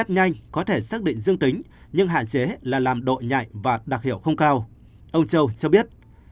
nhanh có thể xác định dương tính nhưng hạn chế là làm độ nhạy và đặc hiệu không cao ông châu cho biết